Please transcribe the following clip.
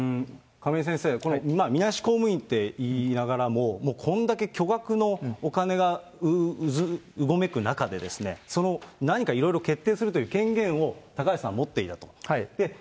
亀井先生、みなし公務員って言いながらも、こんだけ巨額のお金がうごめく中で、その、何かいろいろ決定するという権限を高橋さんは持っていたと。